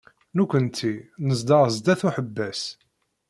Nekkenti nezdeɣ sdat uḥebbas.